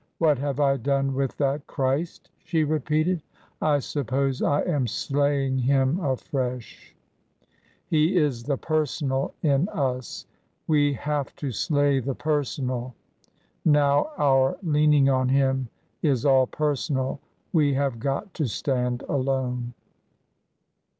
" What have I done with that Christ ?" she repeated. " I suppose I am slaying Him afresh. He is the per sonal in us. We have to slay the personal. Now, our leaning on Him is all personal. We have got to stand alone."